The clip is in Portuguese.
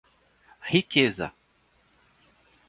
Riqueza